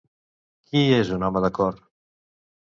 Qui és un home de cor?